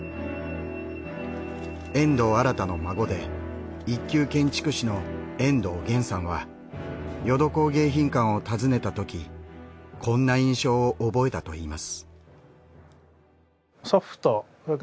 遠藤新の孫で一級建築士の遠藤現さんは『ヨドコウ迎賓館』を訪ねたときこんな印象を覚えたといいます。